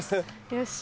よし。